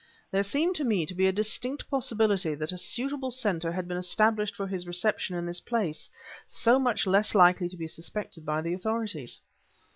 There seemed to me to be a distinct probability that a suitable center had been established for his reception in this place, so much less likely to be suspected by the authorities.